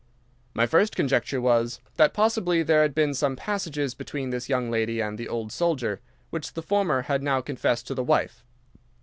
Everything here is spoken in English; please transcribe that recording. "My first conjecture was, that possibly there had been some passages between this young lady and the old soldier, which the former had now confessed to the wife.